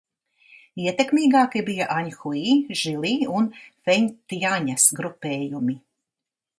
Ietekmīgākie bija Aņhui, Žili un Feņtjaņas grupējumi.